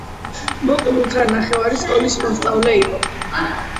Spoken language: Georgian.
მოკლულთა ნახევარი სკოლის მოსწავლე იყო.